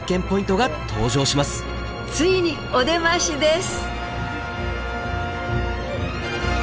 ついにお出ましです！